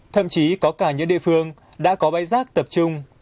thậm chí có cả những địa phương đã có bãi rác tập trung